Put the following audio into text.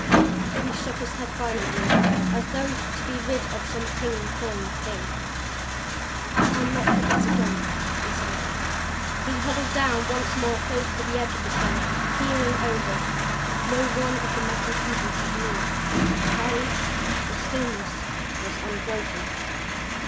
He shook his head violently as though to be rid of some clinging, cloying thing. "I'll not forget again," he said. He huddled down once more close to the edge of the shelf; peering over. No one of the Metal People had moved; the silence, the stillness, was unbroken.